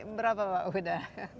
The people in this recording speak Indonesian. berapa pak uda